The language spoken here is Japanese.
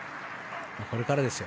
これからですよ。